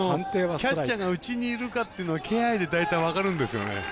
キャッチャーが内にいるかっていうのは気配で大体分かるんですよね。